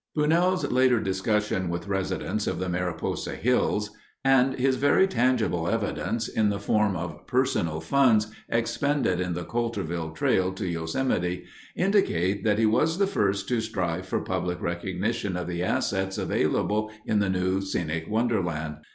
Bunnell's later discussions with residents of the Mariposa hills and his very tangible evidence in the form of personal funds expended on the Coulterville trail to Yosemite, indicate that he was the first to strive for public recognition of the assets available in the new scenic wonderland.